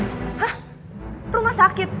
hah rumah sakit